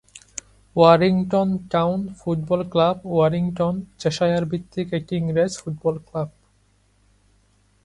Warrington town football club Warrington, Cheshire ভিত্তিক একটি ইংরেজ ফুটবল ক্লাব।